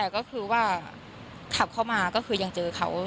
ก็คือว่าขับเข้ามาก็คือยังเจอเขา